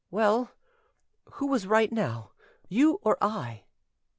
Well, who was right, now, you or I?"